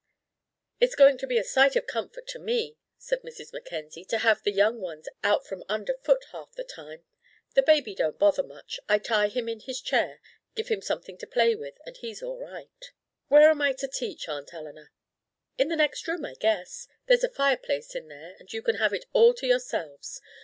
"It's going to be a sight of comfort to me," said Mrs. Mackenzie, "to have the young ones out from under foot half the time. The baby don't bother much. I tie him in his chair, give him something to play with, and he's all right." "Where am I to teach, Aunt Eleanor?" "In the next room, I guess. There's a fireplace in there, and you can have it all to yourselves.